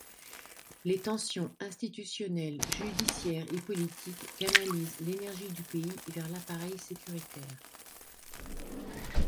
Les tensions institutionnelles, judiciaires et politiques canalisent l'énergie du pays vers l’appareil sécuritaire.